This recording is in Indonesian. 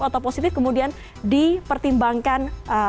atau positif kemudian dipertimbangkan